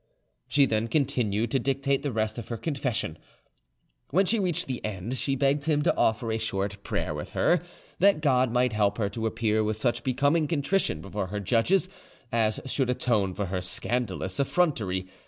She then continued to dictate the rest of her confession. When she reached the end, she begged him to offer a short prayer with her, that God might help her to appear with such becoming contrition before her judges as should atone for her scandalous effrontery.